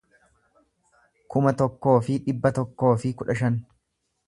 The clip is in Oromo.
kuma tokkoo fi dhibba tokkoo fi kudha shan